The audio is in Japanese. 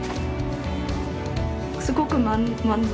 すごく満足。